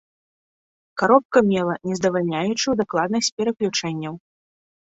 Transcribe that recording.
Каробка мела нездавальняючую дакладнасць пераключэнняў.